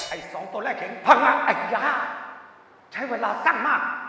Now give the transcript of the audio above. ไอ้สองตัวแรกเห็นพังงาไอ้ยาใช้เวลาสั้นมาก